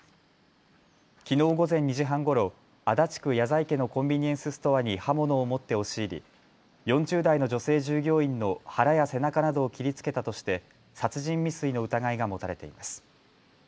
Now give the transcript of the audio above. きのう午前２時半ごろ、足立区谷在家のコンビニエンスストアに刃物を持って押し入り４０代の女性従業員の腹や背中などを切りつけたとして殺人未遂の疑いが持たれています。